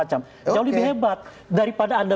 jauh lebih hebat daripada anda